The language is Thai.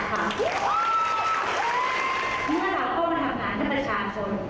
พี่น้องประชาชน